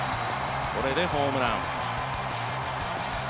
これでホームラン。